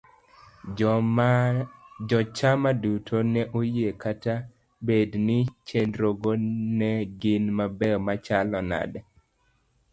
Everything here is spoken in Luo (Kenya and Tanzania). jochama duto ne oyie ni kata bed ni chenrogo ne gin mabeyo machalo nade.